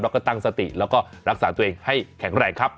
แล้วก็ตั้งสติแล้วก็รักษาตัวเองให้แข็งแรงครับ